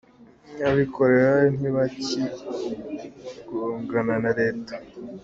Abikorera ntibakigongana na Leta